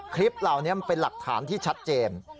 คลิปเหล่านี้มันเป็นหลักฐานที่ชัดเจน